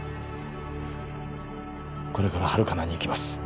これからハルカナに行きます